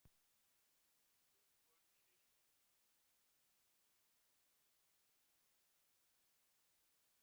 Homework শেষ কর।